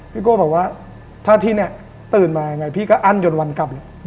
พี่โก้บอกว่าถ้าที่นี่ตื่นมาพี่ก็อั้นจนวันกลับเลย